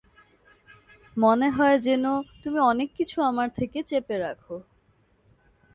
মনে হয় যেন, তুমি অনেককিছু আমার থেকে চেপে রাখো।